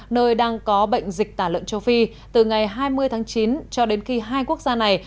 nơi đang có bệnh dịch tả lợn châu phi từ ngày hai mươi tháng chín cho đến khi hai quốc gia này